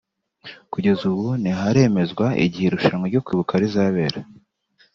kugeza ubu ntiharemezwa igihe irushanwa ryo kwibuka ryazabera